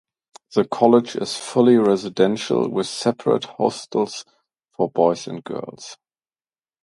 The college is fully residential with separate hostels for boys and girls.